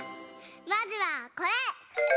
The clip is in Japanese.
まずはこれ！